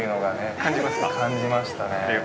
感じましたね。